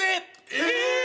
えっ！